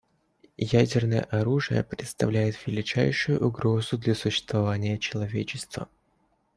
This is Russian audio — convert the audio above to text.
Ядерное оружие представляет величайшую угрозу для существования человечества.